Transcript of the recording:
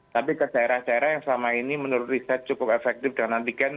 tapi ke daerah daerah yang selama ini menurut riset cukup efektif dengan antigen